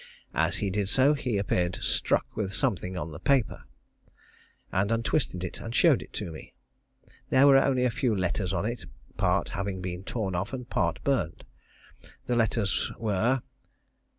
As he did so, he appeared struck with something on the paper, and untwisted it and showed it to me. There were only a few letters on it, part having been torn off and part burned. The letters were